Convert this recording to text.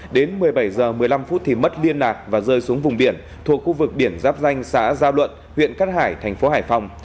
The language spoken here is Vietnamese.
đến một mươi bảy h một mươi năm thì mất liên lạc và rơi xuống vùng biển thuộc khu vực biển giáp danh xã gia luận huyện cát hải thành phố hải phòng